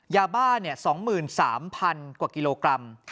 ยาบ้า๒๓๐๐๐กว่ากิโลกรัม